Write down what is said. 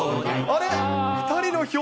あれ？